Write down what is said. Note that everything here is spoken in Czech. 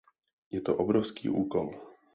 Je to obrovský úkol.